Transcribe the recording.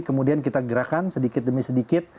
kemudian kita gerakan sedikit demi sedikit